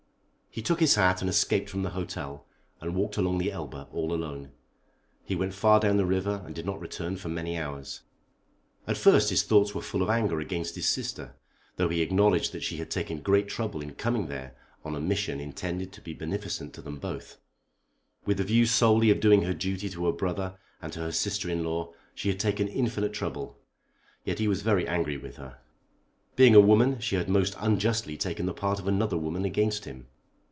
He took his hat and escaped from the Hotel and walked along the Elbe all alone. He went far down the river, and did not return for many hours. At first his thoughts were full of anger against his sister, though he acknowledged that she had taken great trouble in coming there on a mission intended to be beneficent to them both. With the view solely of doing her duty to her brother and to her sister in law, she had taken infinite trouble; yet he was very angry with her. Being a woman she had most unjustly taken the part of another woman against him.